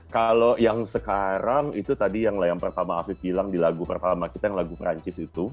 kalau yang sekarang itu tadi yang pertama afif bilang di lagu pertama kita yang lagu perancis itu